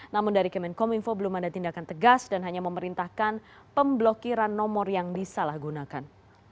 namun dari kemenkominfo belum ada tindakan tegas dan hanya memerintahkan pemblokiran nomor yang disalahgunakan